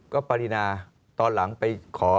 ก็ปรินาตอนหลังไปขอ